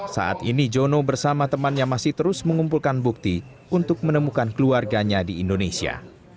saat ini jono bersama temannya masih terus mengumpulkan bukti untuk menemukan keluarganya di indonesia